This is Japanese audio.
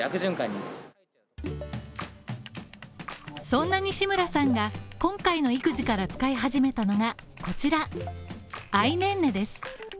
そんな西村さんが今回の育児から使い始めたのがこちら、ａｉｎｅｎｎｅです。